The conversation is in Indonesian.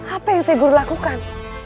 apa yang saya guru lakukan